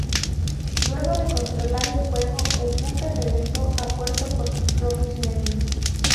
Luego de controlar el fuego el buque regresó a puerto por sus propios medios.